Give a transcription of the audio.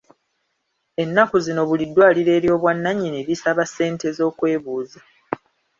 Ennaku zino buli ddwaliro ery'obwannannyini lisaba ssente z'okwebuuza.